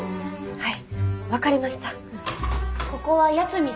はい。